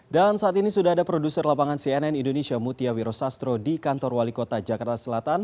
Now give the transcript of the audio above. dan saat ini sudah ada produser lapangan cnn indonesia mutia wiro sastro di kantor wali kota jakarta selatan